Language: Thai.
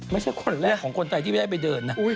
ไม่ใช่คนแรกของคนไทยที่ไม่ได้ไปเดินนะ